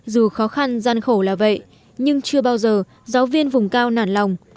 dù khó khăn gian khổ là vậy nhưng chưa bao giờ giáo viên vùng cao nản lòng